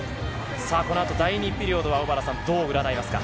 このあと第２ピリオドは小原さん、どう占いますか。